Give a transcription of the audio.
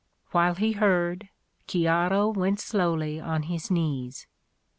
... While he heard, Ghiaro went slowly on his knees.